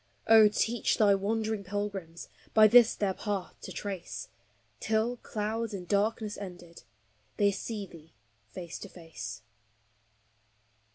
Oh, teach thy wandering pilgrims By this their path to trace, Till, clouds and darkness ended, They see thee face to face.